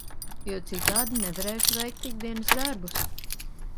Jo citādi nevarēšu veikt ikdienas darbus.